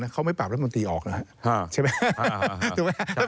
ก็ได้แค่นี้ล่ะ